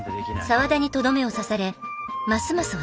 沢田にとどめを刺されますます